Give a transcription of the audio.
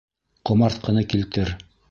Ҡомартҡыны килтер!